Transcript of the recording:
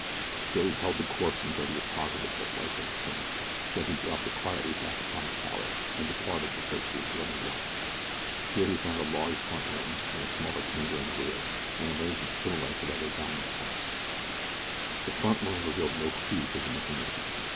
Byrne held the corpse until he was positive that life was extinct, then he dropped it quietly back upon its pallet, and departed to search the adjoining dwelling. Here he found a large front room, and a smaller chamber in the rear an arrangement similar to that in the daimio's house. The front room revealed no clue to the missing men.